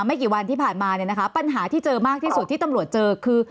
ไม่กี่วันที่ผ่านมาเนี่ยนะคะปัญหาที่เจอมากที่สุดที่ตำรวจเจอคือ